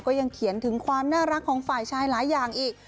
ยังเขียนถึงความน่ารักของฝ่ายชายหลายอย่างอีก